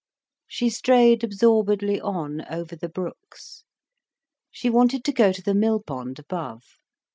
She strayed absorbedly on, over the brooks. She wanted to go to the mill pond above.